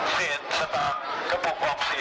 สินสตางค์กระปุกออกสิน